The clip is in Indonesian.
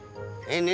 udah gede beh